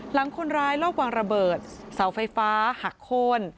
หลังคนร้ายรอบวางระเบิดเสาไฟฟ้าหักโค้น